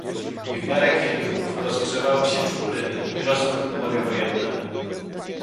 "I w miarę kielichów rozgrzewały się czupryny i rosły humory wojenne."